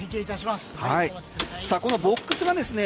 このボックスがですね